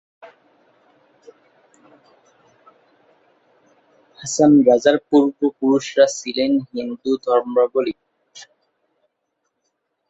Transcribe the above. হাছন রাজার পূর্ব পুরুষরা ছিলেন হিন্দু ধর্মালম্বী।